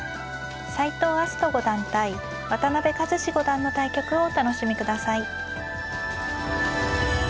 斎藤明日斗五段対渡辺和史五段の対局をお楽しみください。